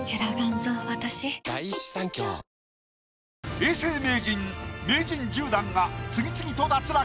永世名人名人１０段が次々と脱落。